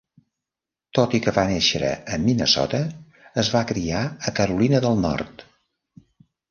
Tot i que va néixer a Minnesota, es va criar a Carolina del Nord.